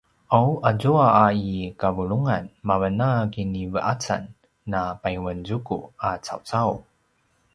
’aw azua a i kavulungan mavan a kinive’acan na payuanzuku a cawcau